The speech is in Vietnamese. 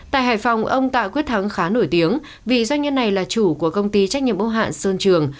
tại hải phòng ông tạ quyết thắng khá nổi tiếng vì doanh nhân này là chủ của công ty trách nhiệm ưu hạn sơn trường